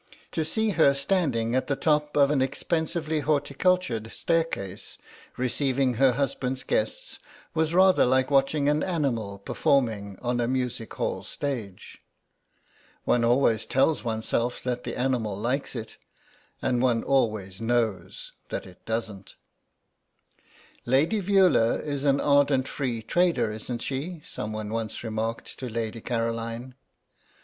To see her standing at the top of an expensively horticultured staircase receiving her husband's guests was rather like watching an animal performing on a music hall stage. One always tells oneself that the animal likes it, and one always knows that it doesn't. "Lady Veula is an ardent Free Trader, isn't she?" someone once remarked to Lady Caroline.